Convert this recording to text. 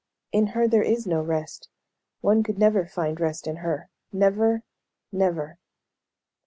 In her there is no rest. One could never find rest in her. Never never."